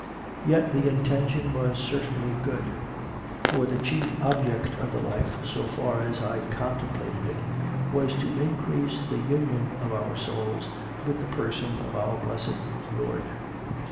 Yet the inten tion was certainly good, for the chief object of the life, so far as I contemplated it, was to increase the union of our souls with the Person of Our Blessed Lord.